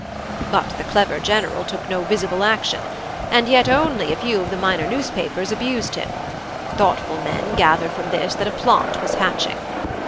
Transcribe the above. "But the clever general took no visible action; and yet only a few of the minor newspapers abused him; thoughtful men gathered from this that a plot was hatching.